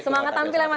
semangat tampil ya mas